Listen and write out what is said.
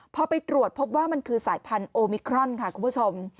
พอไปตรวจพบว่ามันคือสายพันธุมิครอนค่ะคุณผู้ชม